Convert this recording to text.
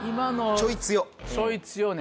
ちょい強ね。